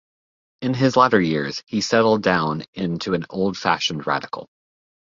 In his latter years he settled down into an old-fashioned Radical.